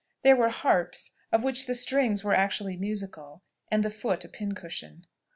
There were harps, of which the strings were actually musical, and the foot a pincushion.